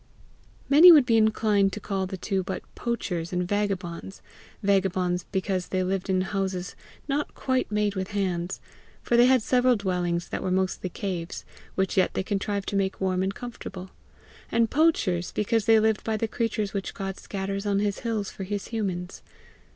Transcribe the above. Many would be inclined to call the two but poachers and vagabonds vagabonds because they lived in houses not quite made with hands, for they had several dwellings that were mostly caves which yet they contrived to make warm and comfortable; and poachers because they lived by the creatures which God scatters on his hills for his humans.